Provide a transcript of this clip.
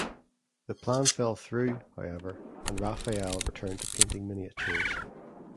The plan fell through, however, and Raphaelle returned to painting miniatures.